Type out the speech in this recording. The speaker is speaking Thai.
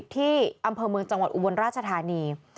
ที่อำเภอเมืองจังหวัดอุบลราชธานี